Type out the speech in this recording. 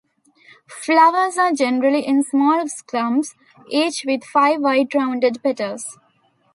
Flowers are generally in small clumps, each with five white rounded petals.